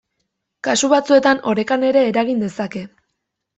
Kasu batzuetan orekan ere eragin dezake.